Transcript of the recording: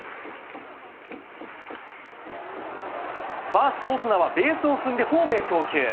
ファースト、オスナはベースを踏んでホームへ送球。